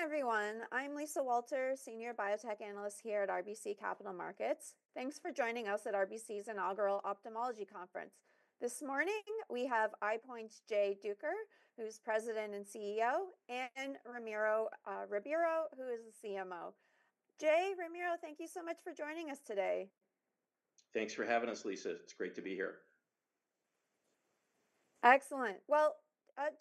Good morning, everyone. I'm Lisa Walter, Senior Biotech Analyst here at RBC Capital Markets. Thanks for joining us at RBC's inaugural Ophthalmology Conference. This morning, we have EyePoint Pharmaceuticals' Jay Duker, who's President and CEO, and Ramiro Ribeiro, who is the CMO. Jay, Ramiro, thank you so much for joining us today. Thanks for having us, Lisa. It's great to be here. Excellent.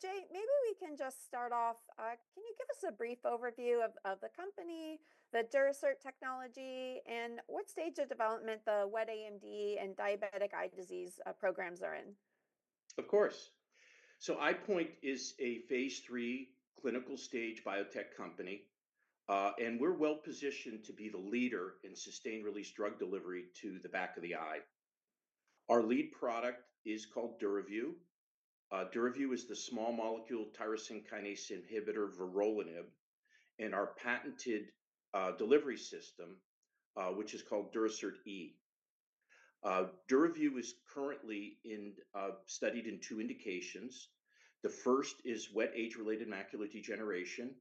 Jay, maybe we can just start off. Can you give us a brief overview of the company, the Durasert technology, and what stage of development the wet AMD and diabetic eye disease programs are in? Of course. EyePoint is a phase III clinical stage biotech company. We are well positioned to be the leader in sustained-release drug delivery to the back of the eye. Our lead product is called Duravyu. Duravyu is the small molecule tyrosine kinase inhibitor, vorolanib, and our patented delivery system, which is called Durasert E. Duravyu is currently studied in two indications. The first is wet age-related macular degeneration.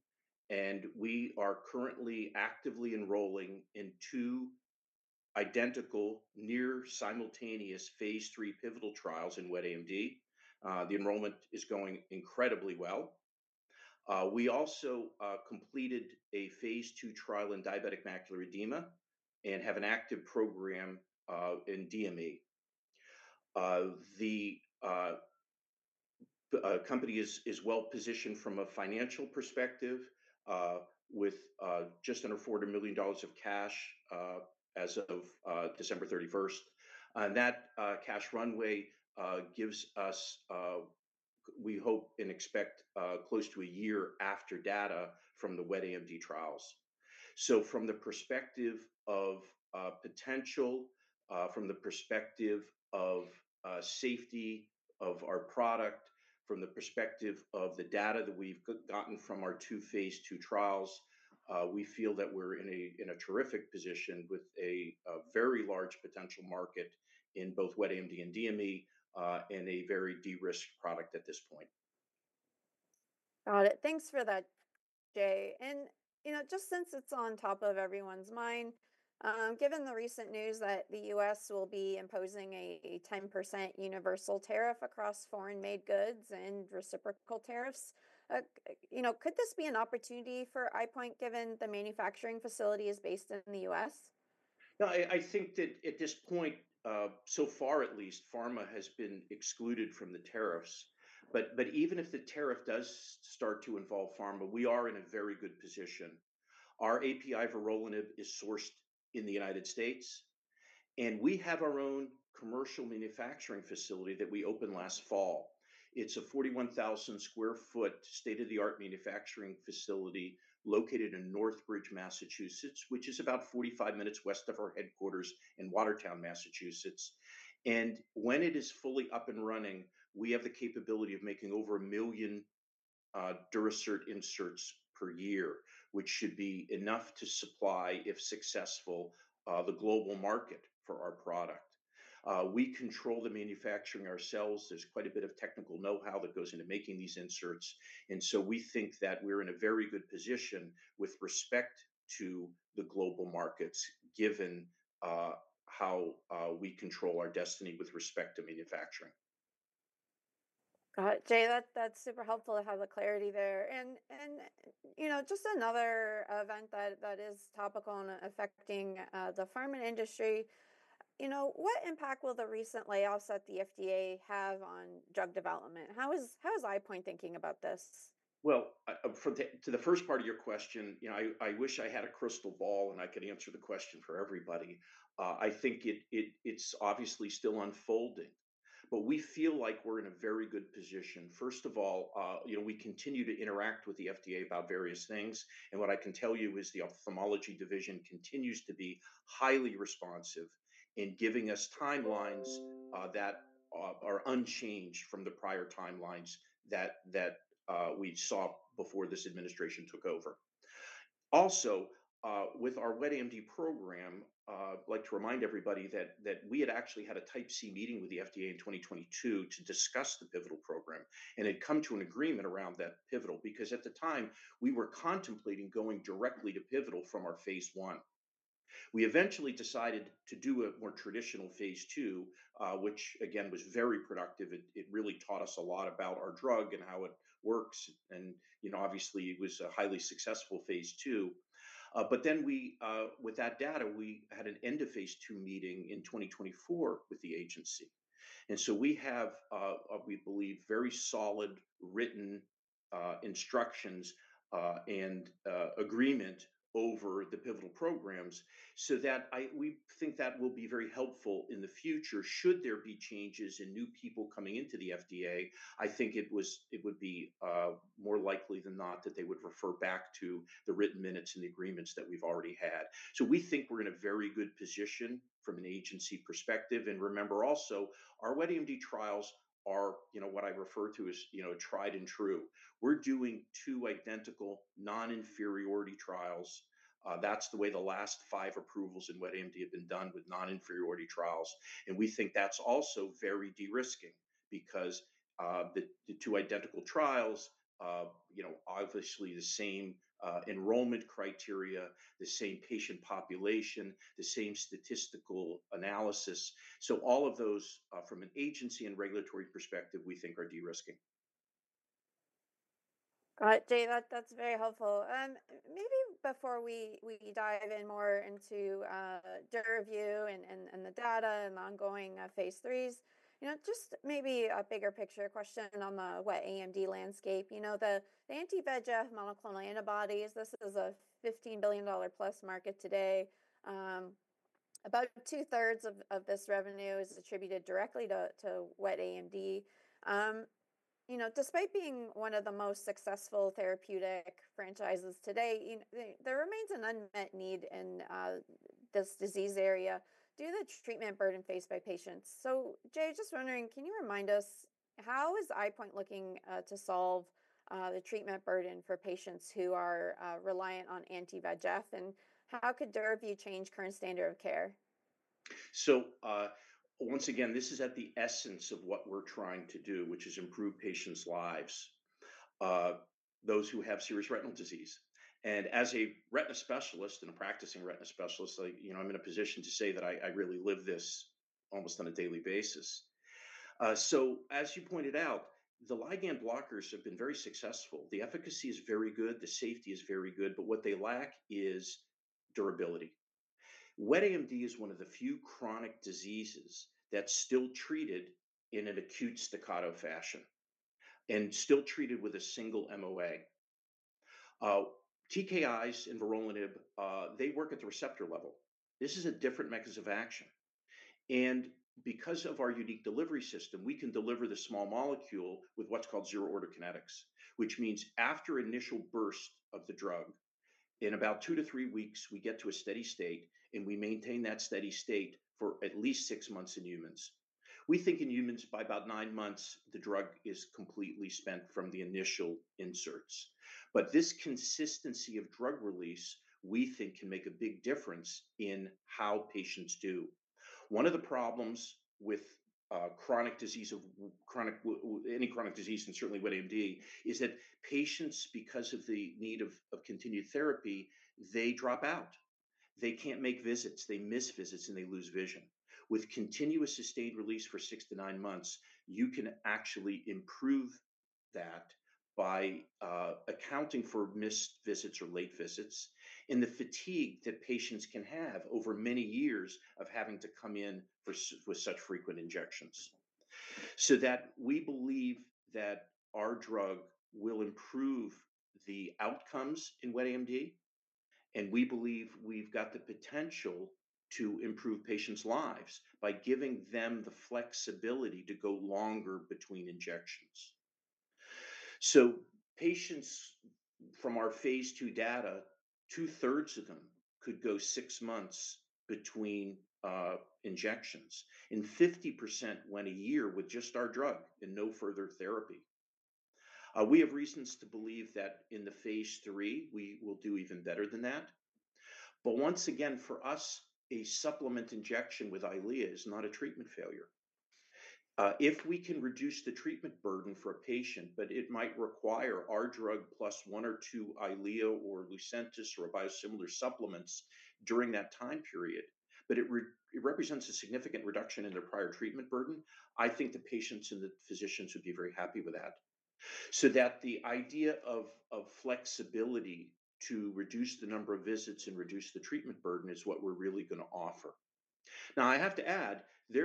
We are currently actively enrolling in two identical, near-simultaneous phase III pivotal trials in wet AMD. The enrollment is going incredibly well. We also completed a phase II trial in diabetic macular edema and have an active program in DME. The company is well positioned from a financial perspective with just under $400 million of cash as of December 31. That cash runway gives us, we hope and expect, close to a year after data from the wet AMD trials. From the perspective of potential, from the perspective of safety of our product, from the perspective of the data that we've gotten from our two phase II trials, we feel that we're in a terrific position with a very large potential market in both wet AMD and DME, and a very de-risked product at this point. Got it. Thanks for that, Jay. Just since it's on top of everyone's mind, given the recent news that the U.S. will be imposing a 10% universal tariff across foreign-made goods and reciprocal tariffs, could this be an opportunity for EyePoint given the manufacturing facility is based in the U.S.? No, I think that at this point, so far at least, pharma has been excluded from the tariffs. Even if the tariff does start to involve pharma, we are in a very good position. Our API vorolanib is sourced in the United States. We have our own commercial manufacturing facility that we opened last fall. It is a 41,000 sq ft state-of-the-art manufacturing facility located in Northbridge, Massachusetts, which is about 45 minutes west of our headquarters in Watertown, Massachusetts. When it is fully up and running, we have the capability of making over 1 million Durasert inserts per year, which should be enough to supply, if successful, the global market for our product. We control the manufacturing ourselves. There is quite a bit of technical know-how that goes into making these inserts. We think that we're in a very good position with respect to the global markets, given how we control our destiny with respect to manufacturing. Got it. Jay, that's super helpful to have the clarity there. Just another event that is topical and affecting the pharma industry, what impact will the recent layoffs at the FDA have on drug development? How is EyePoint thinking about this? To the first part of your question, I wish I had a crystal ball and I could answer the question for everybody. I think it's obviously still unfolding. We feel like we're in a very good position. First of all, we continue to interact with the FDA about various things. What I can tell you is the ophthalmology division continues to be highly responsive in giving us timelines that are unchanged from the prior timelines that we saw before this administration took over. Also, with our wet AMD program, I'd like to remind everybody that we had actually had a Type C meeting with the FDA in 2022 to discuss the pivotal program. We had come to an agreement around that pivotal because at the time, we were contemplating going directly to pivotal from our phase I. We eventually decided to do a more traditional phase II, which, again, was very productive. It really taught us a lot about our drug and how it works. Obviously, it was a highly successful phase II. With that data, we had an end of phase II meeting in 2024 with the agency. We have, we believe, very solid written instructions and agreement over the pivotal programs so that we think that will be very helpful in the future should there be changes and new people coming into the FDA. I think it would be more likely than not that they would refer back to the written minutes and the agreements that we've already had. We think we're in a very good position from an agency perspective. Remember also, our wet AMD trials are what I refer to as tried and true. We're doing two identical non-inferiority trials. That's the way the last five approvals in wet AMD have been done with non-inferiority trials. We think that's also very de-risking because the two identical trials, obviously the same enrollment criteria, the same patient population, the same statistical analysis. All of those from an agency and regulatory perspective, we think are de-risking. Got it. Jay, that's very helpful. Maybe before we dive in more into Duravyu and the data and the ongoing phase IIIs, just maybe a bigger picture question on the wet AMD landscape. The anti-VEGF monoclonal antibodies, this is a $15 billion plus market today. About two-thirds of this revenue is attributed directly to wet AMD. Despite being one of the most successful therapeutic franchises today, there remains an unmet need in this disease area due to the treatment burden faced by patients. Jay, just wondering, can you remind us how is EyePoint looking to solve the treatment burden for patients who are reliant on anti-VEGF? And how could Duravyu change current standard of care? Once again, this is at the essence of what we're trying to do, which is improve patients' lives, those who have serious retinal disease. As a retina specialist and a practicing retina specialist, I'm in a position to say that I really live this almost on a daily basis. As you pointed out, the ligand blockers have been very successful. The efficacy is very good. The safety is very good. What they lack is durability. Wet AMD is one of the few chronic diseases that's still treated in an acute staccato fashion and still treated with a single MOA. TKIs and vorolanib, they work at the receptor level. This is a different mechanism of action. Because of our unique delivery system, we can deliver the small molecule with what's called zero-order kinetics, which means after initial burst of the drug, in about two to three weeks, we get to a steady state. We maintain that steady state for at least six months in humans. We think in humans by about nine months, the drug is completely spent from the initial inserts. This consistency of drug release, we think, can make a big difference in how patients do. One of the problems with any chronic disease, and certainly wet AMD, is that patients, because of the need of continued therapy, drop out. They can't make visits. They miss visits, and they lose vision. With continuous sustained release for six to nine months, you can actually improve that by accounting for missed visits or late visits and the fatigue that patients can have over many years of having to come in with such frequent injections. We believe that our drug will improve the outcomes in wet AMD. We believe we've got the potential to improve patients' lives by giving them the flexibility to go longer between injections. Patients from our phase II data, two-thirds of them could go six months between injections. 50% went a year with just our drug and no further therapy. We have reasons to believe that in the phase III, we will do even better than that. Once again, for us, a supplement injection with Eylea is not a treatment failure. If we can reduce the treatment burden for a patient, but it might require our drug plus one or two Eylea or Lucentis or biosimilar supplements during that time period, but it represents a significant reduction in their prior treatment burden, I think the patients and the physicians would be very happy with that. The idea of flexibility to reduce the number of visits and reduce the treatment burden is what we're really going to offer. Now, I have to add,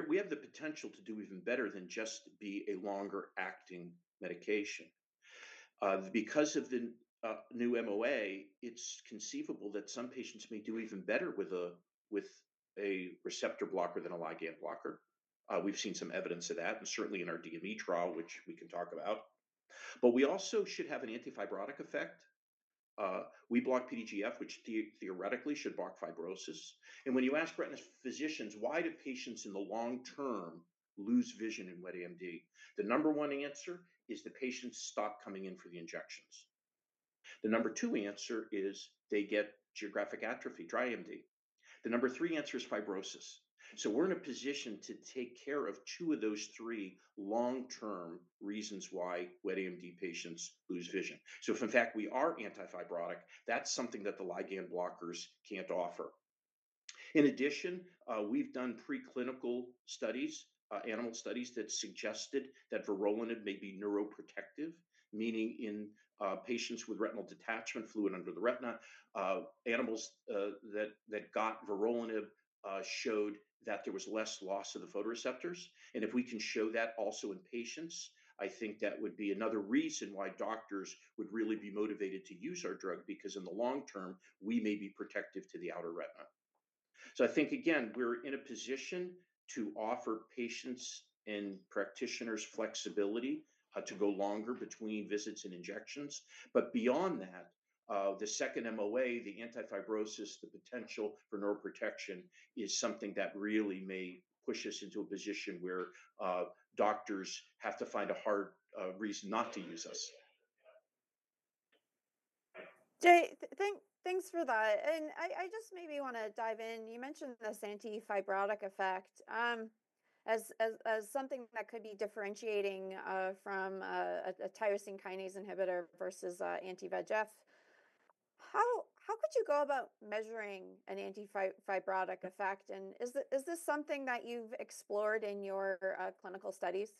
we have the potential to do even better than just be a longer-acting medication. Because of the new MOA, it's conceivable that some patients may do even better with a receptor blocker than a ligand blocker. We've seen some evidence of that, and certainly in our DME trial, which we can talk about. We also should have an antifibrotic effect. We block PDGF, which theoretically should block fibrosis. When you ask retina physicians, why do patients in the long term lose vision in wet AMD? The number one answer is the patients stop coming in for the injections. The number two answer is they get geographic atrophy, dry AMD. The number three answer is fibrosis. We are in a position to take care of two of those three long-term reasons why wet AMD patients lose vision. If in fact we are antifibrotic, that's something that the ligand blockers can't offer. In addition, we've done preclinical studies, animal studies that suggested that vorolanib may be neuroprotective, meaning in patients with retinal detachment, fluid under the retina, animals that got vorolanib showed that there was less loss of the photoreceptors. If we can show that also in patients, I think that would be another reason why doctors would really be motivated to use our drug because in the long term, we may be protective to the outer retina. I think, again, we're in a position to offer patients and practitioners flexibility to go longer between visits and injections. Beyond that, the second MOA, the antifibrosis, the potential for neuroprotection is something that really may push us into a position where doctors have to find a hard reason not to use us. Jay, thanks for that. I just maybe want to dive in. You mentioned this antifibrotic effect as something that could be differentiating from a tyrosine kinase inhibitor versus anti-VEGF. How could you go about measuring an antifibrotic effect? Is this something that you've explored in your clinical studies?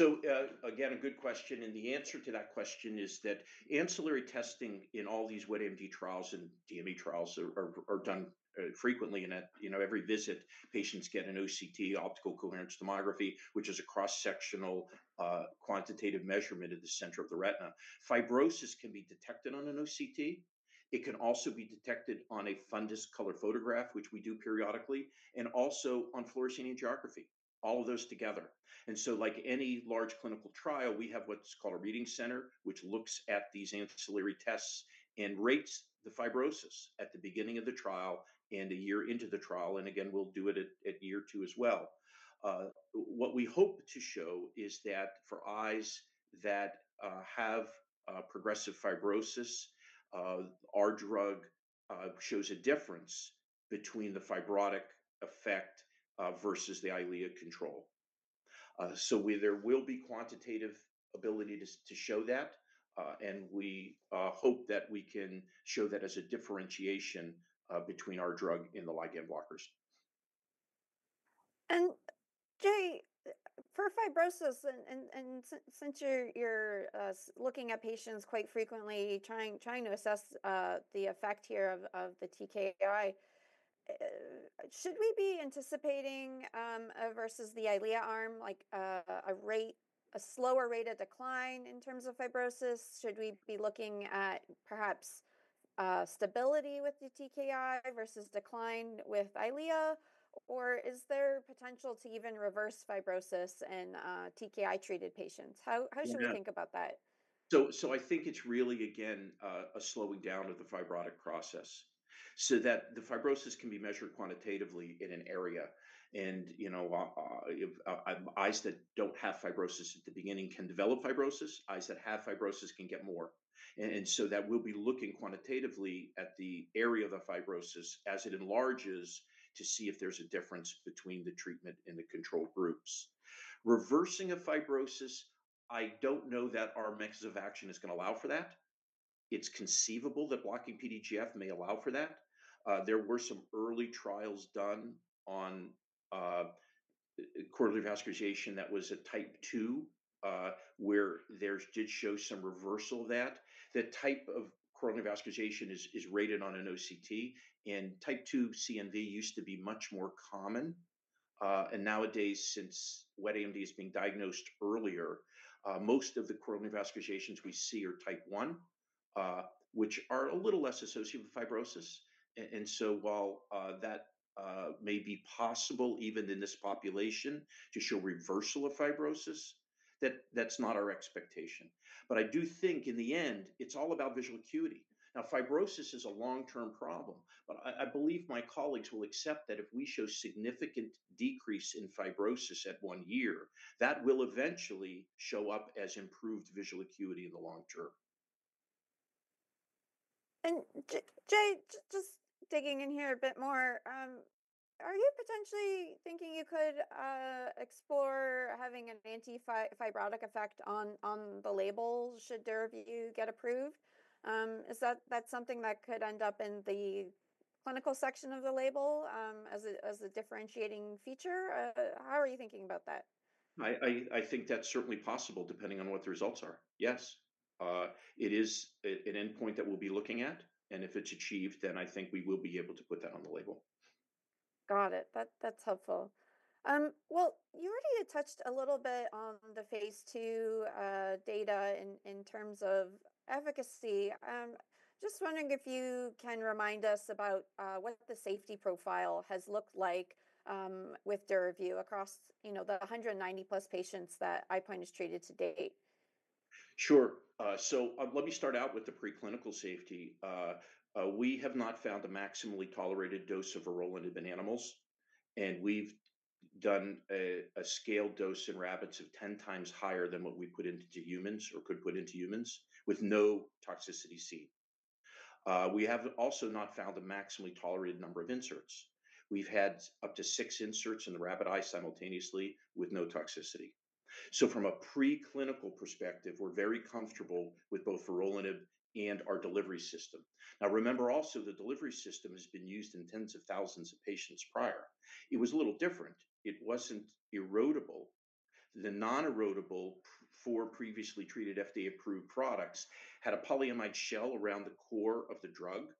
A good question. The answer to that question is that ancillary testing in all these wet AMD trials and DME trials are done frequently. At every visit, patients get an OCT, optical coherence tomography, which is a cross-sectional quantitative measurement of the center of the retina. Fibrosis can be detected on an OCT. It can also be detected on a fundus color photograph, which we do periodically, and also on fluorescein angiography, all of those together. Like any large clinical trial, we have what's called a reading center, which looks at these ancillary tests and rates the fibrosis at the beginning of the trial and a year into the trial. We'll do it at year two as well. What we hope to show is that for eyes that have progressive fibrosis, our drug shows a difference between the fibrotic effect versus the Eylea control. There will be quantitative ability to show that. We hope that we can show that as a differentiation between our drug and the ligand blockers. Jay, for fibrosis, and since you're looking at patients quite frequently, trying to assess the effect here of the TKI, should we be anticipating versus the Eylea arm a slower rate of decline in terms of fibrosis? Should we be looking at perhaps stability with the TKI versus decline with Eylea? Is there potential to even reverse fibrosis in TKI-treated patients? How should we think about that? I think it's really, again, a slowing down of the fibrotic process so that the fibrosis can be measured quantitatively in an area. Eyes that don't have fibrosis at the beginning can develop fibrosis. Eyes that have fibrosis can get more. We will be looking quantitatively at the area of the fibrosis as it enlarges to see if there's a difference between the treatment and the control groups. Reversing of fibrosis, I don't know that our mechanism of action is going to allow for that. It's conceivable that blocking PDGF may allow for that. There were some early trials done on choroidal neovascularization that was a type II where there did show some reversal of that. That type of choroidal neovascularization is rated on an OCT. Type II CNV used to be much more common. Nowadays, since wet AMD is being diagnosed earlier, most of the choroidal neovascularizations we see are type I, which are a little less associated with fibrosis. While that may be possible even in this population to show reversal of fibrosis, that's not our expectation. I do think in the end, it's all about visual acuity. Fibrosis is a long-term problem. I believe my colleagues will accept that if we show significant decrease in fibrosis at one year, that will eventually show up as improved visual acuity in the long term. Jay, just digging in here a bit more, are you potentially thinking you could explore having an antifibrotic effect on the label should Duravyu get approved? Is that something that could end up in the clinical section of the label as a differentiating feature? How are you thinking about that? I think that's certainly possible depending on what the results are. Yes. It is an endpoint that we'll be looking at. If it's achieved, then I think we will be able to put that on the label. Got it. That's helpful. You already touched a little bit on the phase II data in terms of efficacy. Just wondering if you can remind us about what the safety profile has looked like with Duravyu across the 190-plus patients that EyePoint has treated to date. Sure. Let me start out with the preclinical safety. We have not found a maximally tolerated dose of vorolanib in animals. We have done a scaled dose in rabbits of 10 times higher than what we put into humans or could put into humans with no toxicity seen. We have also not found a maximally tolerated number of inserts. We have had up to six inserts in the rabbit eye simultaneously with no toxicity. From a preclinical perspective, we are very comfortable with both vorolanib and our delivery system. Now, remember also, the delivery system has been used in tens of thousands of patients prior. It was a little different. It was not erodible. The non-erodible for previously treated FDA-approved products had a polyamide shell around the core of the drug.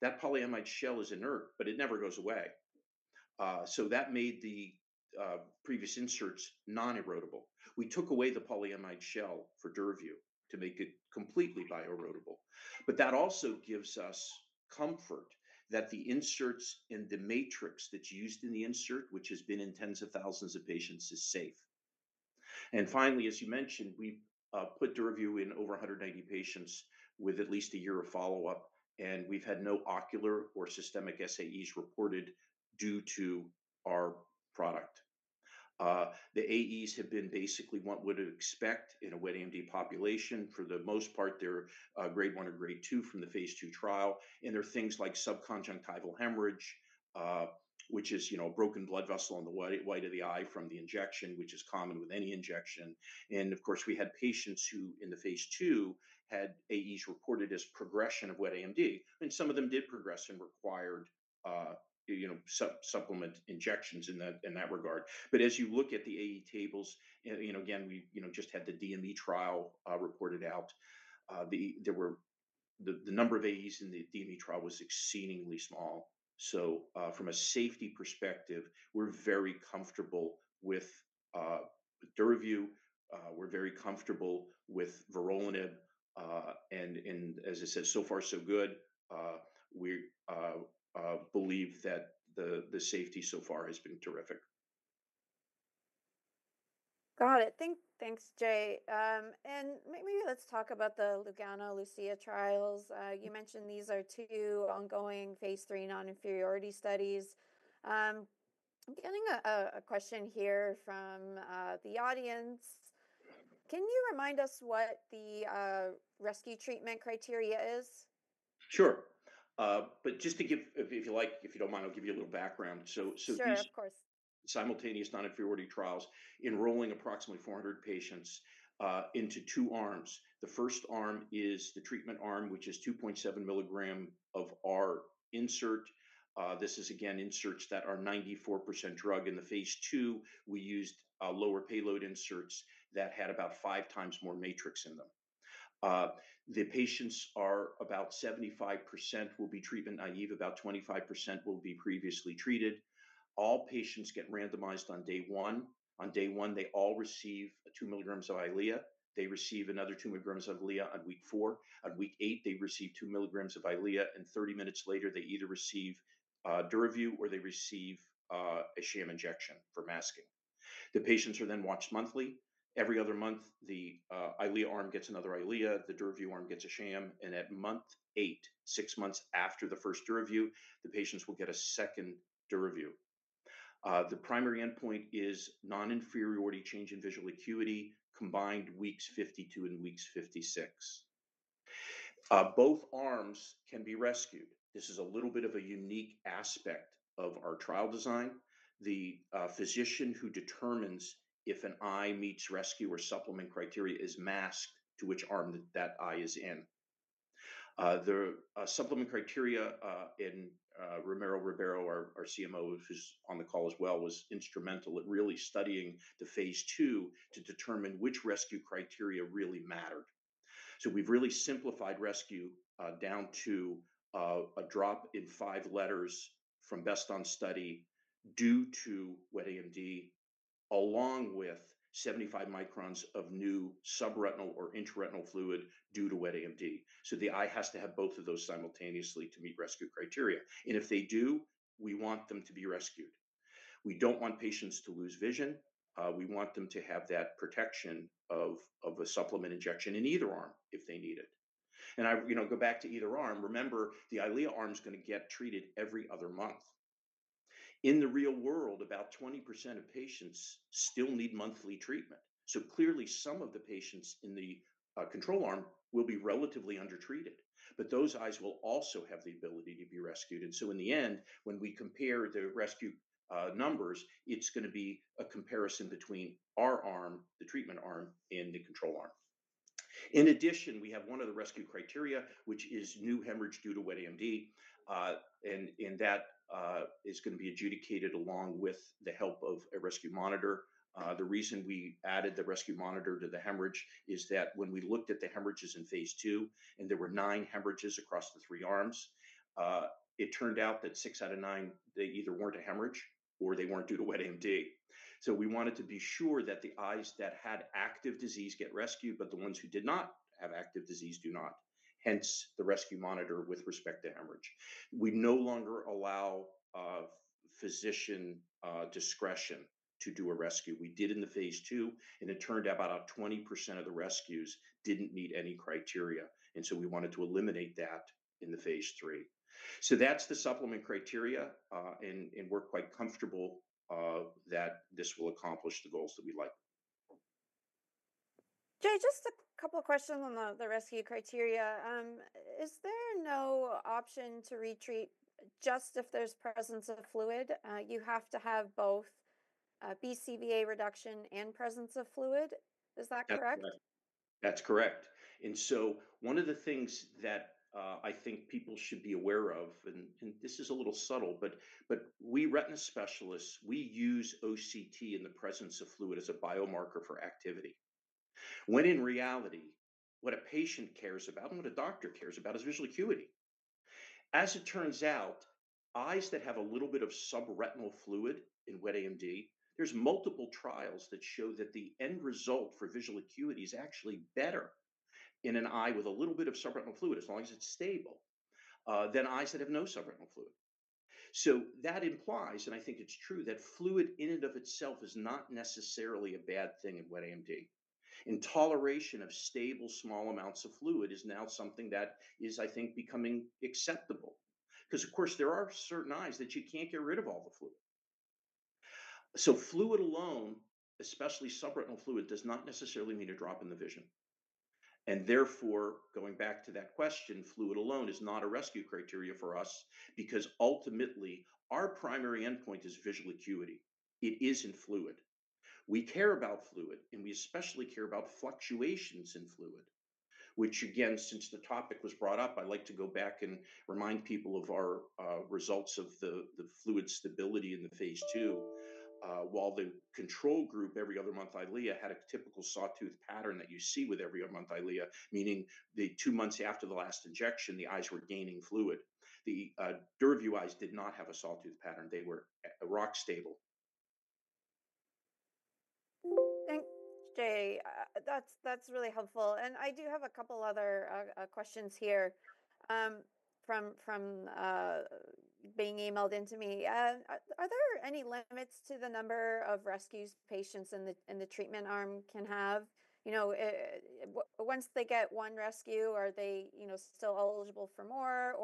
That polyamide shell is inert, but it never goes away. That made the previous inserts non-erodible. We took away the polyamide shell for Duravyu to make it completely bioerodible. That also gives us comfort that the inserts and the matrix that's used in the insert, which has been in tens of thousands of patients, is safe. Finally, as you mentioned, we've put Duravyu in over 190 patients with at least a year of follow-up. We've had no ocular or systemic SAEs reported due to our product. The AEs have been basically what we would expect in a wet AMD population. For the most part, they're grade I or grade II from the phase II trial. They're things like subconjunctival hemorrhage, which is a broken blood vessel on the white of the eye from the injection, which is common with any injection. Of course, we had patients who in the phase II had AEs reported as progression of wet AMD. Some of them did progress and required supplement injections in that regard. As you look at the AE tables, again, we just had the DME trial reported out. The number of AEs in the DME trial was exceedingly small. From a safety perspective, we're very comfortable with Duravyu. We're very comfortable with vorolanib. As I said, so far, so good. We believe that the safety so far has been terrific. Got it. Thanks, Jay. Maybe let's talk about the Lugano Lucia trials. You mentioned these are two ongoing phase III non-inferiority studies. I'm getting a question here from the audience. Can you remind us what the rescue treatment criteria is? Sure. Just to give, if you like, if you don't mind, I'll give you a little background. These. Sure, of course. Simultaneous non-inferiority trials enrolling approximately 400 patients into two arms. The first arm is the treatment arm, which is 2.7 milligram of our insert. This is, again, inserts that are 94% drug. In the phase II, we used lower payload inserts that had about five times more matrix in them. The patients are about 75% will be treatment naive. About 25% will be previously treated. All patients get randomized on day one. On day one, they all receive 2 milligrams of Eylea. They receive another 2 milligrams of Eylea on week four. On week eight, they receive 2 milligrams of Eylea. Thirty minutes later, they either receive Duravyu or they receive a sham injection for masking. The patients are then watched monthly. Every other month, the Eylea arm gets another Eylea. The Duravyu arm gets a sham. At month eight, six months after the first Duravyu, the patients will get a second Duravyu. The primary endpoint is non-inferiority change in visual acuity combined weeks 52 and weeks 56. Both arms can be rescued. This is a little bit of a unique aspect of our trial design. The physician who determines if an eye meets rescue or supplement criteria is masked to which arm that eye is in. The supplement criteria, and Ramiro Ribeiro, our CMO, who's on the call as well, was instrumental at really studying the phase II to determine which rescue criteria really mattered. We have really simplified rescue down to a drop in five letters from best on study due to wet AMD, along with 75 microns of new subretinal or intraretinal fluid due to wet AMD. The eye has to have both of those simultaneously to meet rescue criteria. If they do, we want them to be rescued. We do not want patients to lose vision. We want them to have that protection of a supplement injection in either arm if they need it. I go back to either arm. Remember, the Eylea arm is going to get treated every other month. In the real world, about 20% of patients still need monthly treatment. Clearly, some of the patients in the control arm will be relatively undertreated. Those eyes will also have the ability to be rescued. In the end, when we compare the rescue numbers, it is going to be a comparison between our arm, the treatment arm, and the control arm. In addition, we have one of the rescue criteria, which is new hemorrhage due to wet AMD. That is going to be adjudicated along with the help of a rescue monitor. The reason we added the rescue monitor to the hemorrhage is that when we looked at the hemorrhages in phase II, and there were nine hemorrhages across the three arms, it turned out that six out of nine, they either weren't a hemorrhage or they weren't due to wet AMD. We wanted to be sure that the eyes that had active disease get rescued, but the ones who did not have active disease do not. Hence, the rescue monitor with respect to hemorrhage. We no longer allow physician discretion to do a rescue. We did in the phase II. It turned out about 20% of the rescues didn't meet any criteria. We wanted to eliminate that in the phase III. That's the supplement criteria. We're quite comfortable that this will accomplish the goals that we like. Jay, just a couple of questions on the rescue criteria. Is there no option to retreat just if there's presence of fluid? You have to have both BCVA reduction and presence of fluid. Is that correct? That's correct. That's correct. One of the things that I think people should be aware of, and this is a little subtle, but we retina specialists, we use OCT in the presence of fluid as a biomarker for activity. When in reality, what a patient cares about and what a doctor cares about is visual acuity. As it turns out, eyes that have a little bit of subretinal fluid in wet AMD, there are multiple trials that show that the end result for visual acuity is actually better in an eye with a little bit of subretinal fluid, as long as it's stable, than eyes that have no subretinal fluid. That implies, and I think it's true, that fluid in and of itself is not necessarily a bad thing in wet AMD. Toleration of stable small amounts of fluid is now something that is, I think, becoming acceptable. Because, of course, there are certain eyes that you can't get rid of all the fluid. Fluid alone, especially subretinal fluid, does not necessarily mean a drop in the vision. Therefore, going back to that question, fluid alone is not a rescue criteria for us because ultimately, our primary endpoint is visual acuity. It is in fluid. We care about fluid. We especially care about fluctuations in fluid, which, again, since the topic was brought up, I'd like to go back and remind people of our results of the fluid stability in the phase II. While the control group, every other month, Eylea had a typical sawtooth pattern that you see with every other month, Eylea, meaning the two months after the last injection, the eyes were gaining fluid. The Duravyu eyes did not have a sawtooth pattern. They were rock stable. Thanks, Jay. That's really helpful. I do have a couple of other questions here from being emailed into me. Are there any limits to the number of rescues patients in the treatment arm can have? Once they get one rescue, are they still eligible for more?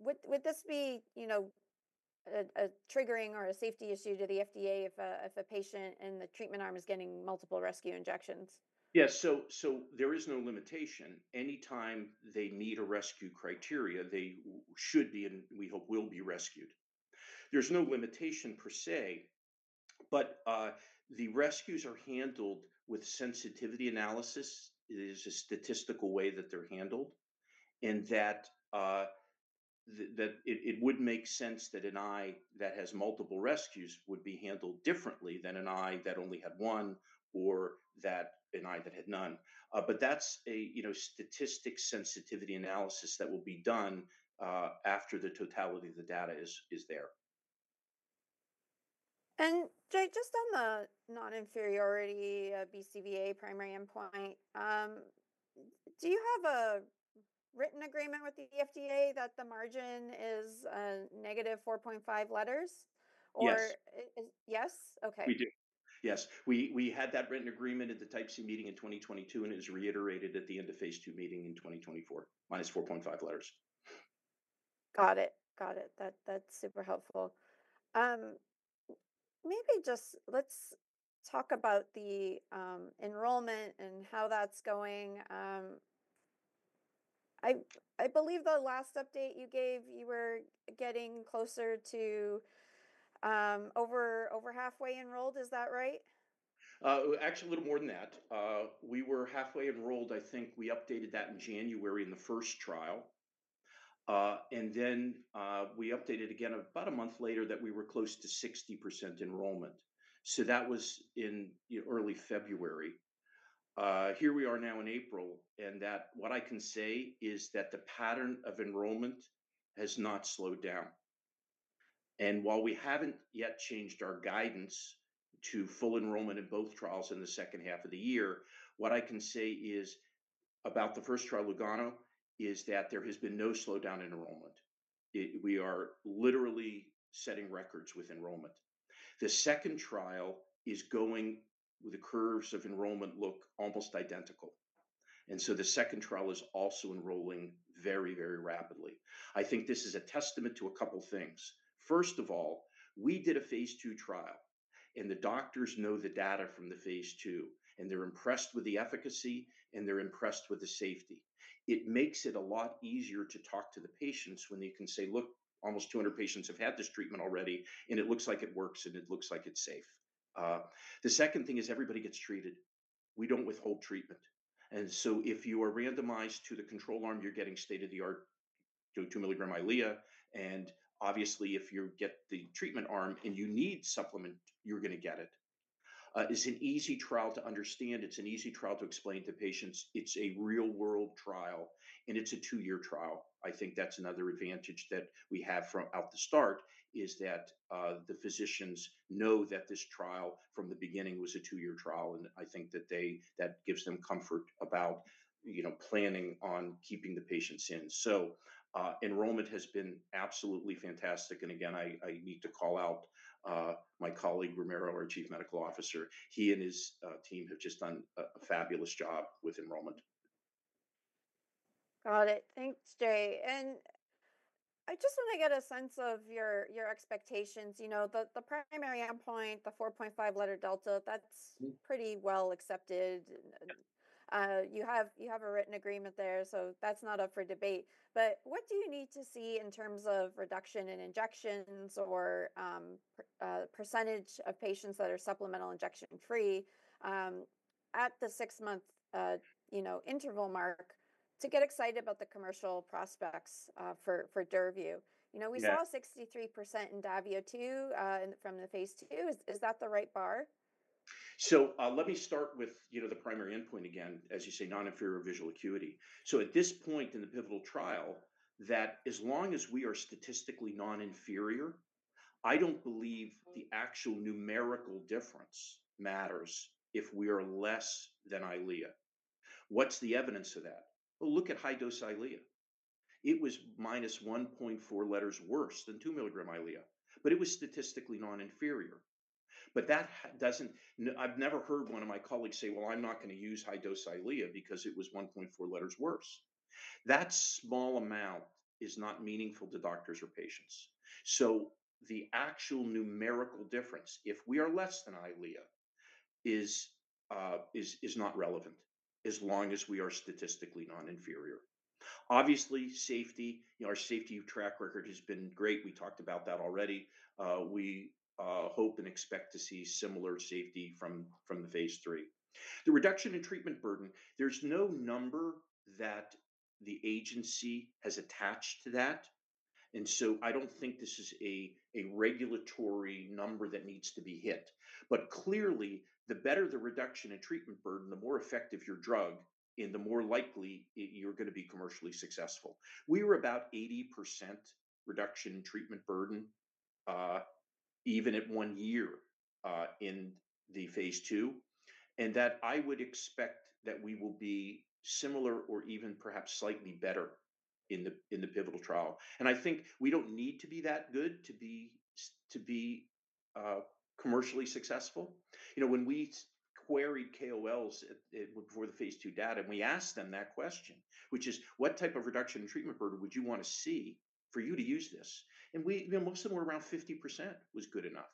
Would this be a triggering or a safety issue to the FDA if a patient in the treatment arm is getting multiple rescue injections? Yes. There is no limitation. Anytime they meet a rescue criteria, they should be, and we hope will be, rescued. There is no limitation per se. The rescues are handled with sensitivity analysis. It is a statistical way that they are handled. It would make sense that an eye that has multiple rescues would be handled differently than an eye that only had one or that an eye that had none. That is a statistic sensitivity analysis that will be done after the totality of the data is there. Jay, just on the non-inferiority BCVA primary endpoint, do you have a written agreement with the FDA that the margin is negative 4.5 letters? Yes. Yes? Okay. We do. Yes. We had that written agreement at the Type C meeting in 2022. It was reiterated at the end of phase II meeting in 2024, minus 4.5 letters. Got it. Got it. That's super helpful. Maybe just let's talk about the enrollment and how that's going. I believe the last update you gave, you were getting closer to over halfway enrolled. Is that right? Actually, a little more than that. We were halfway enrolled. I think we updated that in January in the first trial. I think we updated again about a month later that we were close to 60% enrollment. That was in early February. Here we are now in April. What I can say is that the pattern of enrollment has not slowed down. While we have not yet changed our guidance to full enrollment in both trials in the second half of the year, what I can say about the first trial, Lugano, is that there has been no slowdown in enrollment. We are literally setting records with enrollment. The second trial is going with the curves of enrollment looking almost identical. The second trial is also enrolling very, very rapidly. I think this is a testament to a couple of things. First of all, we did a phase II trial. The doctors know the data from the phase II. They're impressed with the efficacy. They're impressed with the safety. It makes it a lot easier to talk to the patients when they can say, "Look, almost 200 patients have had this treatment already. It looks like it works. It looks like it's safe." The second thing is everybody gets treated. We don't withhold treatment. If you are randomized to the control arm, you're getting state-of-the-art 2 milligram Eylea. Obviously, if you get the treatment arm and you need supplement, you're going to get it. It's an easy trial to understand. It's an easy trial to explain to patients. It's a real-world trial. It's a two-year trial. I think that's another advantage that we have from out the start is that the physicians know that this trial from the beginning was a two-year trial. I think that that gives them comfort about planning on keeping the patients in. Enrollment has been absolutely fantastic. I need to call out my colleague, Ramiro, our Chief Medical Officer. He and his team have just done a fabulous job with enrollment. Got it. Thanks, Jay. I just want to get a sense of your expectations. The primary endpoint, the 4.5 letter delta, that's pretty well accepted. You have a written agreement there. That is not up for debate. What do you need to see in terms of reduction in injections or percentage of patients that are supplemental injection-free at the six-month interval mark to get excited about the commercial prospects for Duravyu? We saw 63% in DAVIO 2 from the phase II. Is that the right bar? Let me start with the primary endpoint again, as you say, non-inferior visual acuity. At this point in the pivotal trial, as long as we are statistically non-inferior, I don't believe the actual numerical difference matters if we are less than Eylea. What's the evidence of that? Look at high-dose Eylea. It was minus 1.4 letters worse than 2 milligram Eylea. It was statistically non-inferior. I've never heard one of my colleagues say, "I'm not going to use high-dose Eylea because it was 1.4 letters worse." That small amount is not meaningful to doctors or patients. The actual numerical difference, if we are less than Eylea, is not relevant as long as we are statistically non-inferior. Obviously, safety, our safety track record has been great. We talked about that already. We hope and expect to see similar safety from the phase III. The reduction in treatment burden, there's no number that the agency has attached to that. I don't think this is a regulatory number that needs to be hit. Clearly, the better the reduction in treatment burden, the more effective your drug, and the more likely you're going to be commercially successful. We were about 80% reduction in treatment burden, even at one year in the phase II. I would expect that we will be similar or even perhaps slightly better in the pivotal trial. I think we don't need to be that good to be commercially successful. When we queried KOLs before the phase II data and we asked them that question, which is, "What type of reduction in treatment burden would you want to see for you to use this?" Most of them were around 50% was good enough.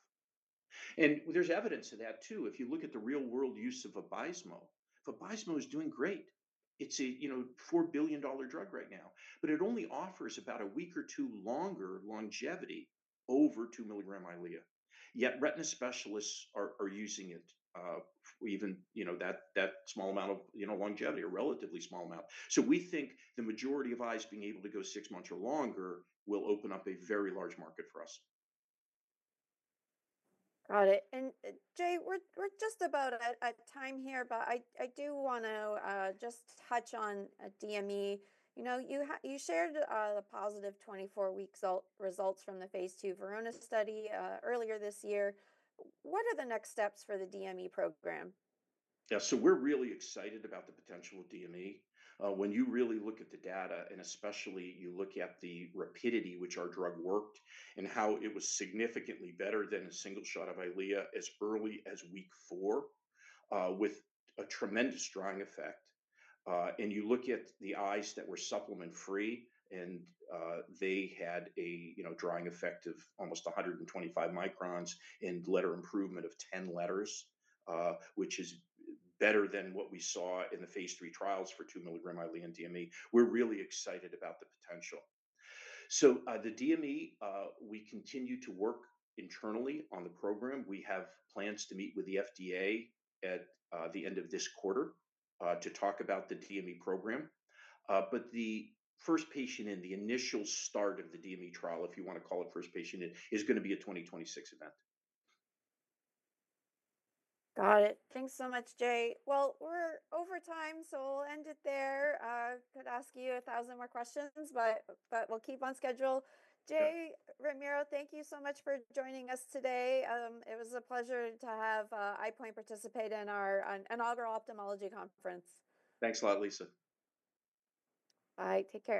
There is evidence of that too. If you look at the real-world use of Vabysmo, Vabysmo is doing great. It is a $4 billion drug right now. It only offers about a week or two longer longevity over 2 milligram Eylea. Yet retina specialists are using it, even that small amount of longevity, a relatively small amount. We think the majority of eyes being able to go six months or longer will open up a very large market for us. Got it. Jay, we're just about at time here. I do want to just touch on DME. You shared the positive 24-week results from the phase II Verona study earlier this year. What are the next steps for the DME program? Yeah. We are really excited about the potential of DME. When you really look at the data, and especially you look at the rapidity with which our drug worked and how it was significantly better than a single shot of Eylea as early as week four with a tremendous drying effect. You look at the eyes that were supplement-free, and they had a drying effect of almost 125 microns and letter improvement of 10 letters, which is better than what we saw in the phase III trials for 2 milligram Eylea and DME. We are really excited about the potential. The DME, we continue to work internally on the program. We have plans to meet with the FDA at the end of this quarter to talk about the DME program. The first patient in the initial start of the DME trial, if you want to call it first patient, is going to be a 2026 event. Got it. Thanks so much, Jay. We're over time. We'll end it there. Could ask you 1,000 more questions. We'll keep on schedule. Jay, Ramiro, thank you so much for joining us today. It was a pleasure to have EyePoint participate in our inaugural ophthalmology conference. Thanks a lot, Lisa. Bye. Take care.